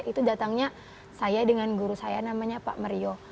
itu datangnya saya dengan guru saya namanya pak mario